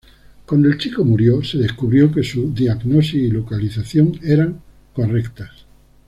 Cuando el chico murió, se descubrió que su diagnosis y localización eran correctas.